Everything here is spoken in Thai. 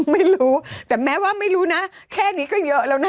ไม่รู้แต่แม้ว่าไม่รู้นะแค่นี้ก็เยอะแล้วนะ